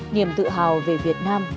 niềm tự hào về việt nam